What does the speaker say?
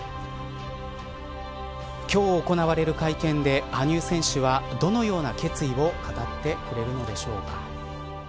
今日行われる会見で羽生選手はどのような決意を語ってくれるのでしょうか。